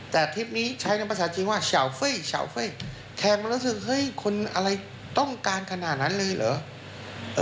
แต่ทิปนี้ใช้ในภาษาจริงว่าแข่งมันรู้สึกเฮ้ยคนอะไรต้องการขนาดนั้นเลยหรือ